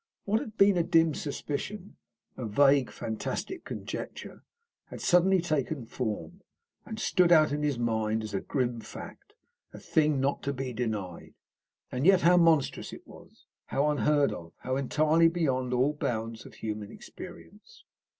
What had been a dim suspicion, a vague, fantastic conjecture, had suddenly taken form, and stood out in his mind as a grim fact, a thing not to be denied. And yet, how monstrous it was! how unheard of! how entirely beyond all bounds of human experience.